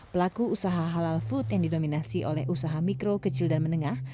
pelaku usaha halal food yang didominasi oleh usaha mikro kecil dan menengah